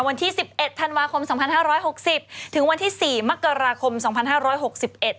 วันที่สิบเอ็ดธันวาคมสองพันห้าร้อยหกสิบถึงวันที่สี่มกราคมสองพันห้าร้อยหกสิบเอ็ด